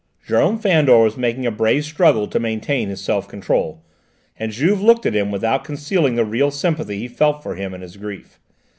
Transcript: Jérôme Fandor was making a brave struggle to maintain his self control, and Juve looked at him without concealing the real sympathy he felt for him in his grief.